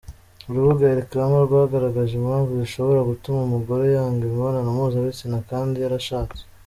Urubuga elcrema rwagaragaje impamvu zishobora gutuma umugore yanga imibonano mpuzabitsina kandi yarashatse.